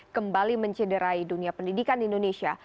kembali mencederai dunia pendidikan indonesia